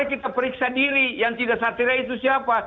kita periksa diri yang tidak satrira itu siapa